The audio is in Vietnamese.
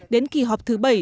đến kỳ họp thứ bảy